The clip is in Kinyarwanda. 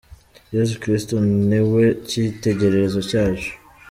Yesu Kristo ni we cyitegererezo cyacu.